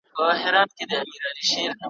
چي قاضي او مفتي ناست وي ماران ګرځي ,